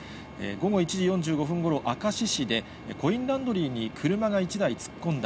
午後１時４５分ごろ、明石市で、コインランドリーに車が１台突っ込んだ。